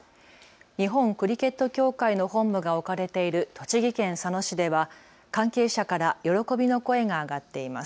日本クリケット協会の本部が置かれている栃木県佐野市では関係者から喜びの声が上がっています。